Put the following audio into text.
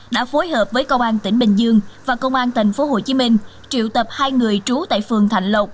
đã phối hợp với công an tỉnh bình dương và công an tp hcm triệu tập hai người trú tại phường thạnh lộc